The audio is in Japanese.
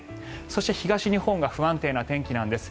そして、東日本が不安定な天気なんです。